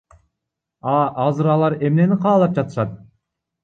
А азыр алар эмнени каалап жатышат?